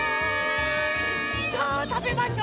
さあたべましょ。